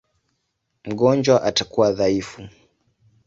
Mgonjwa atakuwa dhaifu.